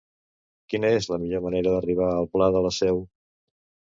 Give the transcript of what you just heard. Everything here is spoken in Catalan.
Quina és la millor manera d'arribar al pla de la Seu?